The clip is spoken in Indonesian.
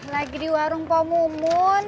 lagi di warung poh mumun